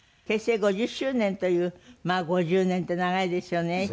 結成５０周年というまあ５０年って長いですよね。